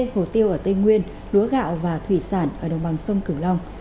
hồ tiêu ở tây nguyên lúa gạo và thủy sản ở đồng bằng sông cửu long